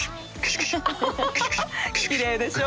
きれいでしょ？